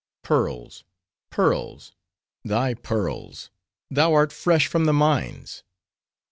"Pearls, pearls! thy pearls! thou art fresh from the mines.